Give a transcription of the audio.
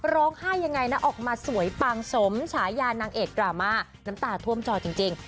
ร้องไห้ยังไงนะออกมาสวยปังสมฉายานางเอกดราม่าน้ำตาท่วมจอจริง